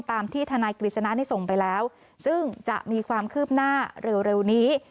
ตามที่ทนายกฤษณะได้ส่งไปแล้วซึ่งจะมีความคืบหน้าเร็วนี้